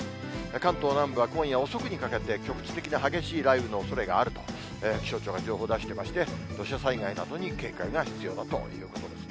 関東南部は今夜遅くにかけて、局地的に激しい雷雨のおそれがあると、気象庁が情報を出してまして、土砂災害などに警戒が必要だということですね。